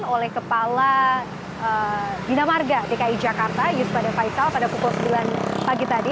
oleh kepala dinamarga dki jakarta yusuf ade faisal pada pukul sembilan pagi tadi